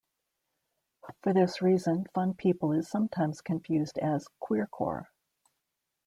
For this reason Fun People is sometimes confused as queercore.